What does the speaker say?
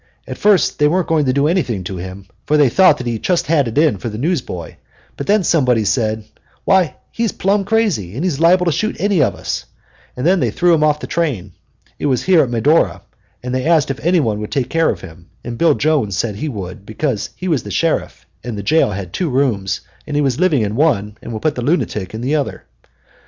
At first they weren't going to do anything to him, for they thought he just had it in for the newsboy. But then somebody said, 'Why, he's plumb crazy, and he's liable to shoot any of us!' and then they threw him off the train. It was here at Medora, and they asked if anybody would take care of him, and Bill Jones said he would, because he was the sheriff and the jail had two rooms, and he was living in one and would put the lunatic in the other."